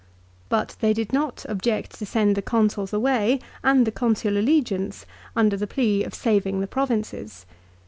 But they did not object to send the Consuls away, and the Consular legions, under the plea of saving the provinces.